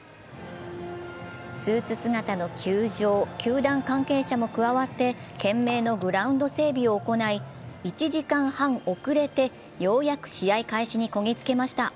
スーツ姿の球場・球団関係者も加わって懸命のグラウンド整備を行い１時間半遅れてようやく試合開始にこぎつけました。